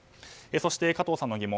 そして、加藤さんの疑問。